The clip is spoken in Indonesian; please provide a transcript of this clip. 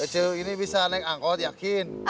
kecil ini bisa naik angkot yakin